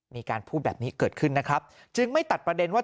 มีการพูดแบบนี้เกิดขึ้นนะครับจึงไม่ตัดประเด็นว่า